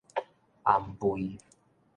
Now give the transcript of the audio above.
腌蜚